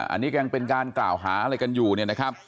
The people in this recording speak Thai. อันนี้ยังเป็นการกล่าวหาอะไรกันอยู่เนี่ยนะครับ